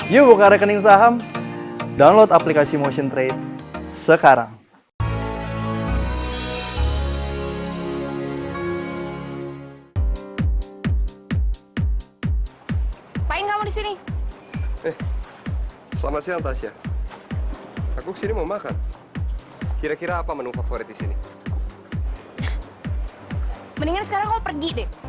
yuk buka rekening saham download aplikasi motion trade sekarang